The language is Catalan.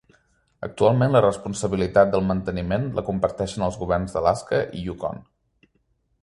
Actualment la responsabilitat del manteniment la comparteixen els governs d'Alaska i Yukon.